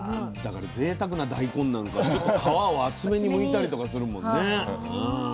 だからぜいたくな大根なんかはちょっと皮を厚めにむいたりとかするもんね。